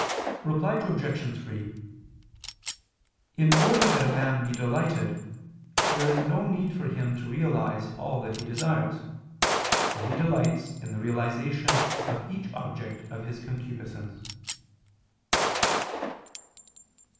Reply Obj. 3: In order that a man be delighted, there is no need for him to realize all that he desires: for he delights in the realization of each object of his concupiscence.